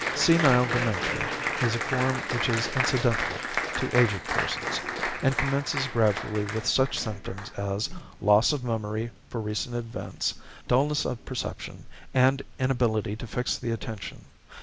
=Senile Dementia= is a form which is incidental to aged persons, and commences gradually with such symptoms as loss of memory for recent events, dulness of perception, and inability to fix the attention.